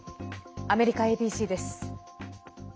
アメリカＡＢＣです。